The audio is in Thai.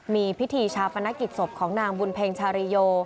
มีพิธีชาปนกิจศพของนางบุญเพ็งชาริโย